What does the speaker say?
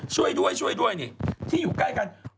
ช่วยด้วยช่วยด้วยนี่ที่อยู่ใกล้กัน